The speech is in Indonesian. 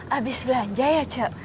habis belanja ya cok